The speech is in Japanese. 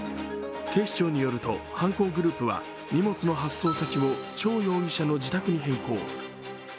警視庁によると、犯行グループは荷物の発送先を張容疑者の自宅に変更。